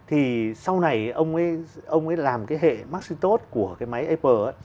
thì sau này ông ấy làm cái hệ maxitote của cái máy apple